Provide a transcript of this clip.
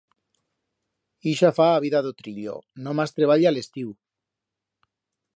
Ixa fa a vida d'o trillo, nomás treballa a l'estiu.